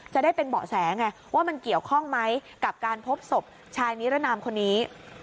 จะได้เป็นเบาะแสไงว่ามันเกี่ยวข้องไหมกับการพบศพชายนิรนามคนนี้